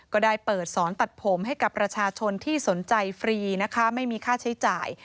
ก็ได้เปิดสอนตัดผมให้กับประชาชนที่สนใจฟรีนะคะไม่มีค่าใช้จ่าย